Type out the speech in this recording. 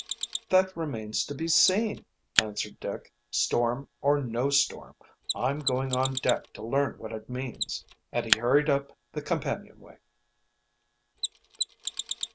"That remains to be seen," answered Dick. "Storm or no storm, I'm gong on deck to learn what it means," and he hurried up the companionway.